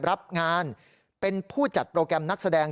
รับงานเป็นผู้จัดโปรแกรมนักแสดง